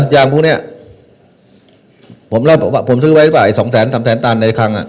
ยางพวกเนี้ยผมเล่าผมซื้อไว้หรือเปล่าไอ้สองแสนสำแสนตันในคังอ่ะ